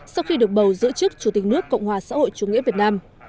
sau khi được bầu giữ chức chủ tịch nước cộng hòa xã hội chủ nghĩa việt nam